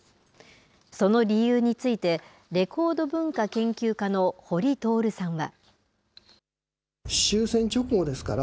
その理由についてレコード文化研究家の保利透さんは。